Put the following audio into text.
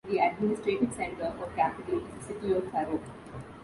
The administrative centre, or capital, is the city of Faro.